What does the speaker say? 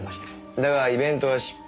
だがイベントは失敗。